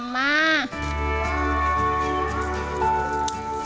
semakin dekat lelaki